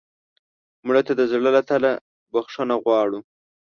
مړه ته د زړه له تله بښنه غواړو